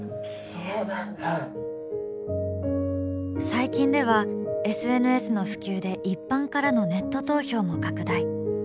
最近では、ＳＮＳの普及で一般からのネット投票も拡大。